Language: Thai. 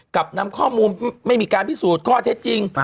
กับนำข้อมูลไม่มีการพิสูจน์ข้อเท็จจริง